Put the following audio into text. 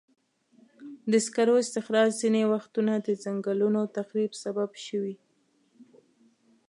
د سکرو استخراج ځینې وختونه د ځنګلونو تخریب سبب شوی.